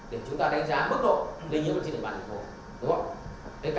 để chúng ta đánh giá mức độ lây nhiễm trên địa bàn thành phố